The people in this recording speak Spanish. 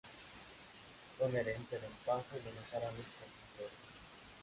Son herencia del paso de los árabes por su historia.